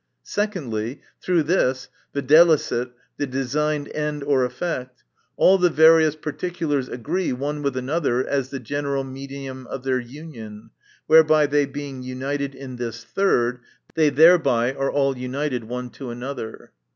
Secondly, through this, viz. the designed end or effect, all the various particulars agree one with another, as the general medium of their union, whereby they being united in this third, they thereby are all united one to another.